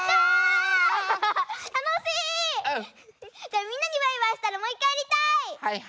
じゃあみんなにバイバイしたらもういっかいやりたい！